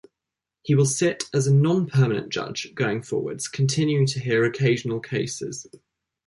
He will sit as a Non-Permanent Judge going forwards, continuing to hear occasional cases.